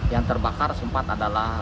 yang terbakar sempat adalah